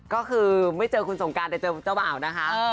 ก็คือไม่เจอคุณสงการแต่เจอเจ้าบ่าวนะคะ